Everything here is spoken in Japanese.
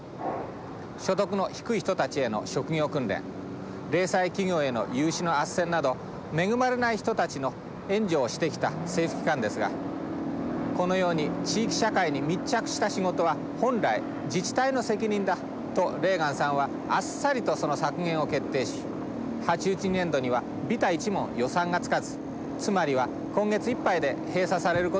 所得の低い人たちへの職業訓練零細企業への融資のあっせんなど恵まれない人たちの援助をしてきた政府機関ですがこのように地域社会に密着した仕事は本来自治体の責任だとレーガンさんはあっさりとその削減を決定し８１年度にはビタ一文予算がつかずつまりは今月いっぱいで閉鎖されることになったのです。